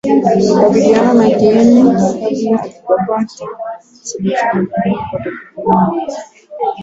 kukabiliana na kiini kabla hatujapata suluhisho la kudumu kwa tatizo la